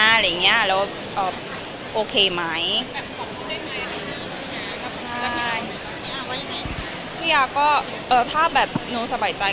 อะไรอย่างเงี้ยเพราะอ๋อโอเคไหม